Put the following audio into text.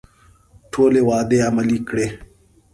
ټولې وعدې عملي کړي.